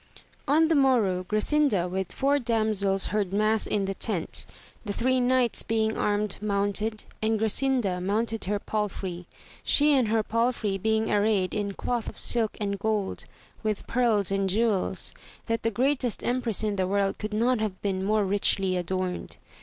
N the morrow Grasinda with four damsels heard mass in the tent, the three knights being armed mounted, and Grasinda mount ed her palfrey, she and her palfrey being arrayed in <5loth of silk and gold, with pearls and jewels, that the greatest empress in the world could not have been more richly adorned.